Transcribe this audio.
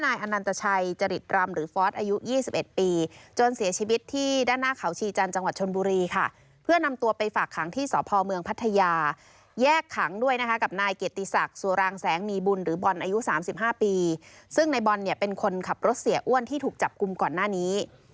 นายเกียรติศักดิ์สวรางแสงมีบุญหรือบอลอายุ๓๕ปีซึ่งในบอลเป็นคนขับรถเสียอ้วนที่ถูกจับกลุ่มก่อนหน้านี้